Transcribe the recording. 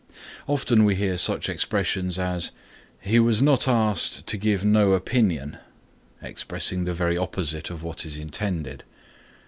Often we hear such expressions as "He was not asked to give no opinion," expressing the very opposite of what is intended.